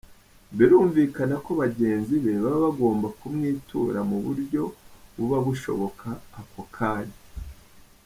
Birumvikana ko bagenzi be baba bagomba kumwitura mu buryo buba bushoboka ako kanya.